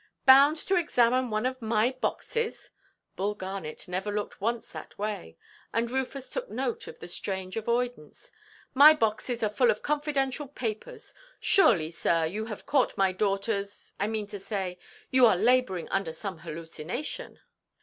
"Bound to examine one of my boxes!" Bull Garnet never looked once that way, and Rufus took note of the strange avoidance; "my boxes are full of confidential papers; surely, sir, you have caught my daughterʼs—I mean to say, you are labouring under some hallucination."